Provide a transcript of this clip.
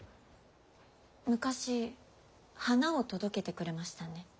昔花を届けてくれましたね。